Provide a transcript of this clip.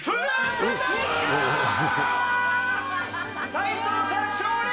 斉藤さん、勝利！